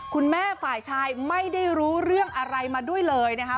คุณแม่ฝ่ายชายไม่ได้รู้เรื่องอะไรมาด้วยเลยนะคะ